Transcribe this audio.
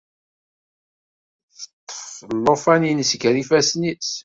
Teṭṭef llufan-ines gar ifassen-is.